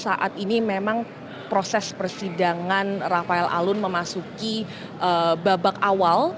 saat ini memang proses persidangan rafael alun memasuki babak awal